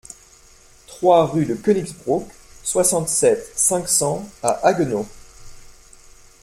trois rue de Koenigsbruck, soixante-sept, cinq cents à Haguenau